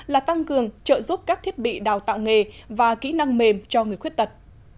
là tăng cường trợ giúp các thiết bị đào tạo nghề và kỹ năng mềm cho người khuyết tật